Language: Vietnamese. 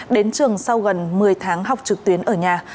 đến trường sau gần một mươi tháng học trực tuyến ở nhà